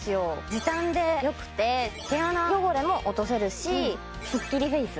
時短でよくて毛穴汚れも落とせるしスッキリフェイス